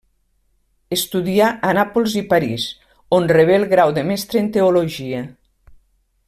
Estudià a Nàpols i París, on rebé el grau de mestre en teologia.